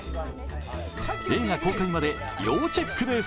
映画公開まで要チェックです。